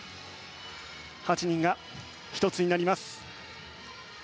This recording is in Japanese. ８人が１つになります。